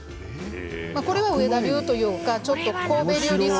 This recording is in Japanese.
これが上田流というか神戸流です。